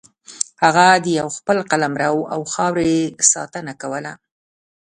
هغه د خپل قلمرو او خاورې ساتنه کوله.